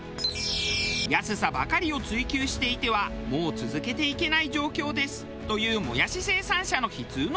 「安さばかりを追求していてはもう続けていけない状況です」というもやし生産者の悲痛の叫びが掲載。